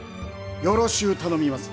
よろしう頼みます。